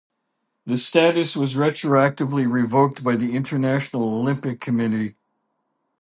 This status was retroactively revoked by the International Olympic Committee.